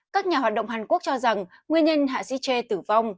các nhà hoạt động hàn quốc cho rằng nguyên nhân hạ sĩ che tử vong